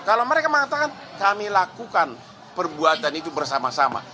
kalau mereka mengatakan kami lakukan perbuatan itu bersama sama